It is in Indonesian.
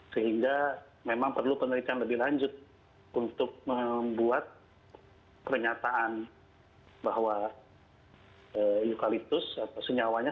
sehingga memang perlu penelitian lebih lanjut untuk membuat pernyataan bahwa eukaliptus atau senyawanya